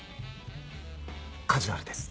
カジュアルです。